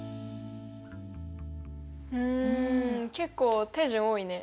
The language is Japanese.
うん結構手順多いね。